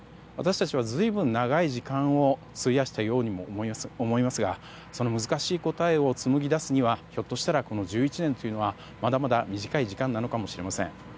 私たちは随分、長い時間を費やしたようにも思いますがその難しい答えを紡ぎだすにはひょっとしたらこの１１年というのはまだまだ短い時間なのかもしれません。